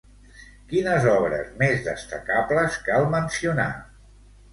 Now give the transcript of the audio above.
Quines obres més destacables cal mencionar?